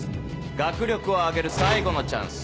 学力を上げる最後のチャンス。